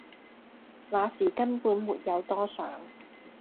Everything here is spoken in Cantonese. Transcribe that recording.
那時根本沒有多想